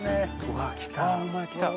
うわ来た。